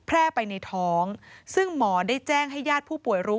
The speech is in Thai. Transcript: แพร่ไปในท้องซึ่งหมอได้แจ้งให้ญาติผู้ป่วยรู้